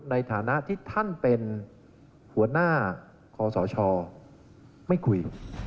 ในฐานะที่ท่านเป็นหัวหน้าคอสชไม่คุย